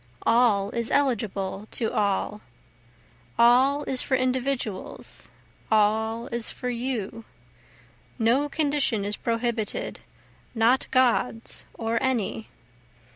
All is eligible to all, All is for individuals, all is for you, No condition is prohibited, not God's or any.